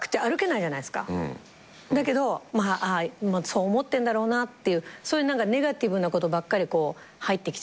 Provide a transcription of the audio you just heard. そう思ってんだろうなっていうそういうネガティブなことばっかり入ってきちゃって。